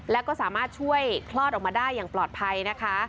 แล้วก็สามารถช่วยคลอดออกมาได้อย่างปลอดภัยนะคะ